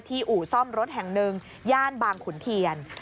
อู่ซ่อมรถแห่งหนึ่งย่านบางขุนเทียน